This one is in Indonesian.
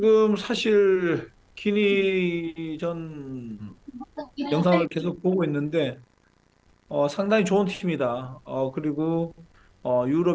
apakah anda melihat guinea kali ini serupa dengan tim tim yang pernah anda hadapi sebelumnya